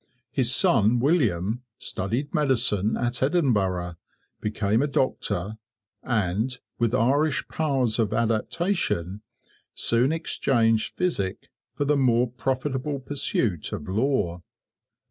His son William studied medicine at Edinburgh, became a doctor, and, with Irish powers of adaptation, soon exchanged physic for the more profitable pursuit of law.